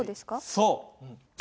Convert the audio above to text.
そう。